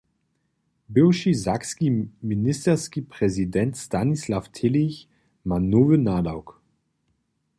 Bywši sakski ministerski prezident Stanisław Tilich ma nowy nadawk.